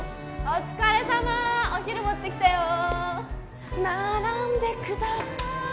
お疲れさまお昼持ってきたよ並んでください